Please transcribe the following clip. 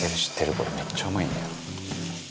これめっちゃうまいんだよ。